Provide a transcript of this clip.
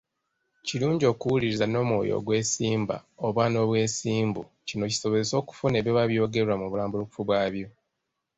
Kirungi okuwuliriza n’omwoyo ogw’essimba oba n’obwesimbu kino kisobozese okufuna ebiba byogerwa mu bulambulukufu bwabyo.